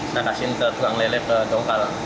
saya kasihin ke tuang lele ke tongkal